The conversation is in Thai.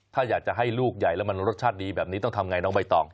ถ้าอยากจะให้ลูกใหญ่แล้วมันรสชาติดีแบบนี้ต้องทำไงน้องใบตอง